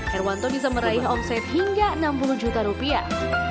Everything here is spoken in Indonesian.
herwanto bisa meraih omset hingga enam puluh juta rupiah